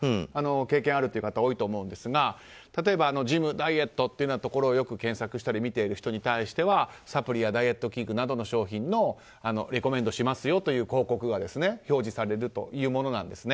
経験ある方多いと思いますが例えば、ジムやダイエットをよく検索したり見ている人に対してはサプリやダイエット器具などの商品のレコメンドしますよという広告が表示されるというものです。